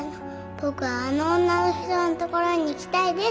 「僕はあの女の人のところに行きたいです」